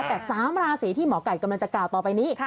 แต่๓ราศีที่หมอไก่กำลังจะกล่าวต่อไปนี้